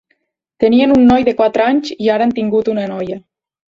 Tenien un noi de quatre anys i ara han tingut una noia.